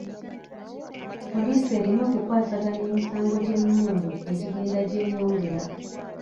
Poliisi erina okukwasaganya emisango gy'emmundu egigenda gyeyongera.